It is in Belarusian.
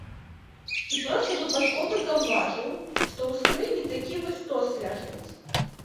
І проста выпадкова заўважыў, што ў скрыні такі вось стос ляжыць.